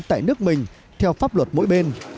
tại nước mình theo pháp luật mỗi bên